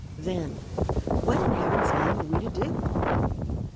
"Then, what, in Heaven's name, are we to do?"